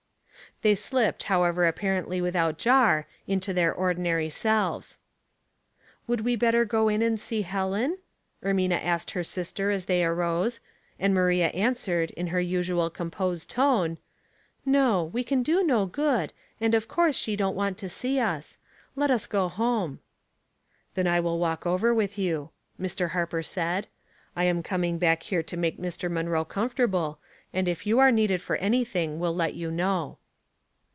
They slipped however apparently without jar into their ordinary selves. *' Would we better go in and see Helen?" Ermina asked her sister as they arose, and Maria answered, in her usual composed tone, — "No. We can do no good, and of course she don't want to see us. Let's go home." " Then I will walk over with you," Mr. Harper said. " I am coming back here to make Mr. Munroe comfortable, and if you are needed for anything will let you know."